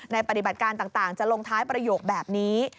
ปฏิบัติการต่างจะลงท้ายประโยคแบบนี้